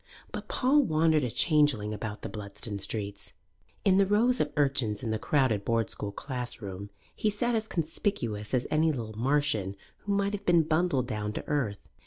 But Paul wandered a changeling about the Bludston streets. In the rows of urchins in the crowded Board School classroom he sat as conspicuous as any little Martian who might have been bundled down to earth.